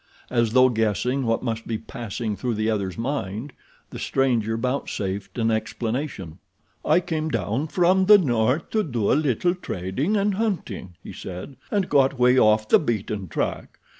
As though guessing what must be passing through the other's mind, the stranger vouchsafed an explanation. "I came down from the north to do a little trading and hunting," he said, "and got way off the beaten track.